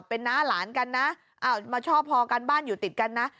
เป็นน้าหลานกันนะมาชอบพอกันบ้านอยู่ติดกันนะ